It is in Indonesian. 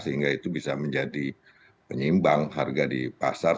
sehingga itu bisa menjadi penyimbang harga di pasar